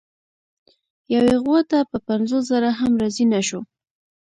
یوې غوا ته په پنځوس زره هم راضي نه شو.